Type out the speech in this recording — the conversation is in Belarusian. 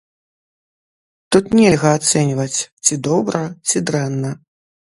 Тут нельга ацэньваць ці добра, ці дрэнна.